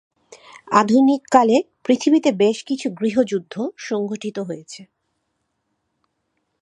আধুনিককালে পৃথিবীতে বেশ কিছু গৃহযুদ্ধ সংঘটিত হয়েছে।